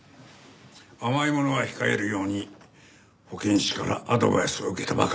甘いものは控えるように保健師からアドバイスを受けたばかりだ。